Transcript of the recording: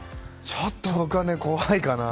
ちょっと僕は怖いかな。